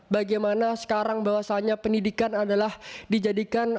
bagaimana sekarang bahwasannya pendidikan adalah dijadikan